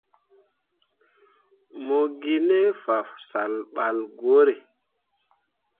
Mo gi ne fasah ɓal ŋwǝǝre.